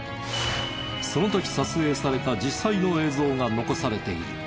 その時撮影された実際の映像が残されている。